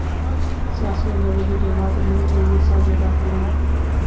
سیاسی و مذہبی جماعتیں مل کر یہ فرض ادا کریں گی۔